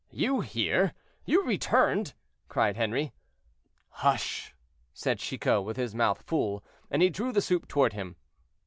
"You here! you returned!" cried Henri. "Hush!" said Chicot, with his mouth full; and he drew the soup toward him.